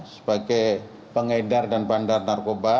sebagai pengedar dan bandar narkoba